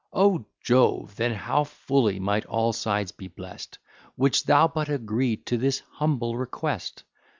O Jove! then how fully might all sides be blest, Wouldst thou but agree to this humble request!